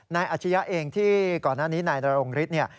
นายอธิยะเองที่ก่อนหน้านี้นายนรงฤทธิ์